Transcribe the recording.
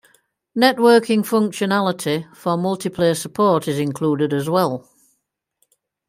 Networking functionality for multiplayer support is included as well.